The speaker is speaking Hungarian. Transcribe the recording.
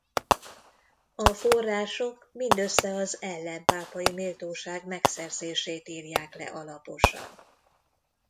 A források mindössze az ellenpápai méltóság megszerzését írják le alaposan.